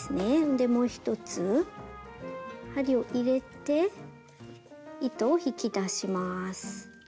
でもう一つ針を入れて糸を引き出します。